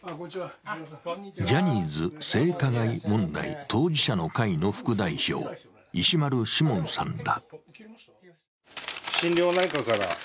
ジャニーズ性加害問題当事者の会の副代表、石丸志門さんだ。